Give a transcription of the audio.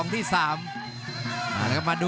รับทราบบรรดาศักดิ์